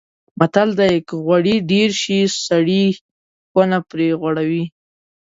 متل دی: که غوړي ډېر شي سړی کونه نه پرې غوړوي.